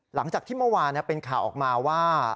หลังจากที่เมื่อวานเป็นข่าวออกมาว่า